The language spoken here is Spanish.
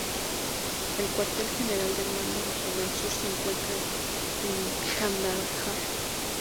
El cuartel general del Mando Regional Sur se encuentra en Kandahar.